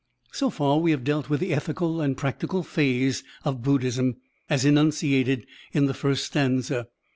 So far we have dealt with the ethical and practical phase of Buddhism as enunciated in the first stanza.